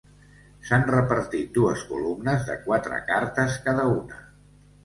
S'han repartit dues columnes de quatre cartes cada una.